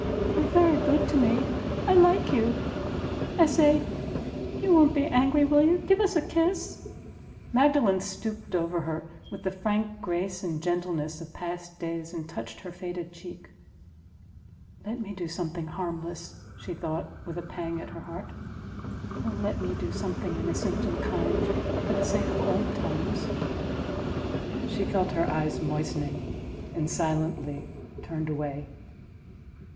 You're very good to me. I like you. I say—you won't be angry, will you? Give us a kiss." Magdalen stooped over her with the frank grace and gentleness of past days, and touched her faded cheek. "Let me do something harmless!" she thought, with a pang at her heart—"oh let me do something innocent and kind for the sake of old times!" She felt her eyes moistening, and silently turned away.